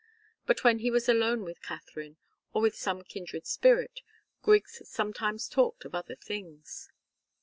But when he was alone with Katharine, or with some kindred spirit, Griggs sometimes talked of other things.